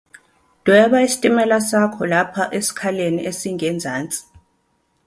Dweba isitimela sakho lapha esikhaleni esingezansi.